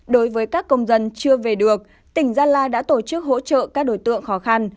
đối với các công dân chưa về được tỉnh gia lai đã tổ chức hỗ trợ các đối tượng khó khăn